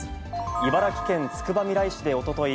茨城県つくばみらい市でおととい、